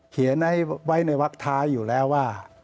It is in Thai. เขียนไว้ในวักท้ายอยู่แล้วว่า